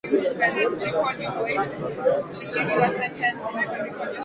richard alifanikiwa kumtazama baba yake vizuri